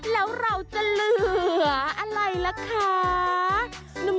แล้วเราจะเหลืออะไรล่ะคะ